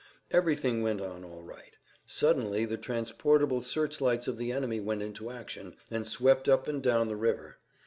Everything went on all right. Suddenly the transportable search lights of the enemy went into action, and swept up and down the river.